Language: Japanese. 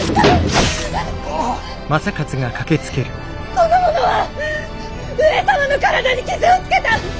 この者は上様の体に傷をつけた！